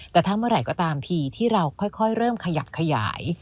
แต่ทั้งเมื่อไหร่ก็ตามทีที่เราค่อยเริ่มขยับขยาย